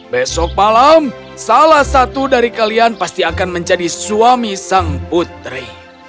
besok malam salah satu dari kalian pasti akan menjadi suami sang putri